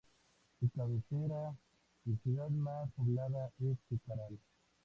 Su cabecera y ciudad más poblada es Jicaral.